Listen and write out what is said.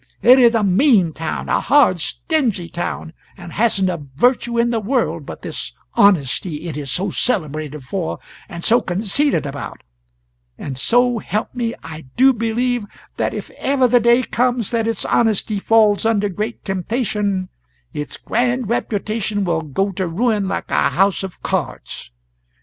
It is a mean town, a hard, stingy town, and hasn't a virtue in the world but this honesty it is so celebrated for and so conceited about; and so help me, I do believe that if ever the day comes that its honesty falls under great temptation, its grand reputation will go to ruin like a house of cards.